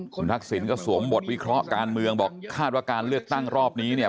คุณทักษิณก็สวมบทวิเคราะห์การเมืองบอกคาดว่าการเลือกตั้งรอบนี้เนี่ย